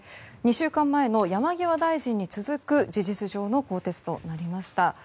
２週間前の山際大臣に続く事実上の更迭となりました。